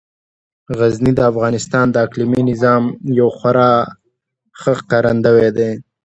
غزني د افغانستان د اقلیمي نظام یو خورا ښه ښکارندوی دی.